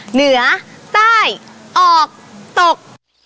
เหนือใต้ออกตก